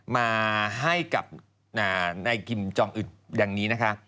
มาให้กับนายกิมจองอึดดังนี้นะคะ